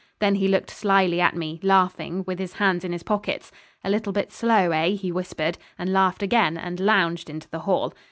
Then he looked slily at me, laughing, with his hands in his pockets. 'A little bit slow, eh?' he whispered, and laughed again, and lounged into the hall.